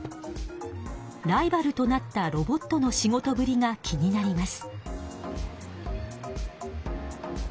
ライバルとなったロボットの仕事ぶりが気になります。